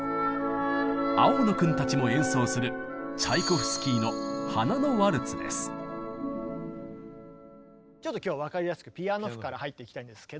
青野君たちも演奏するちょっと今日は分かりやすくピアノ譜から入っていきたいんですけども。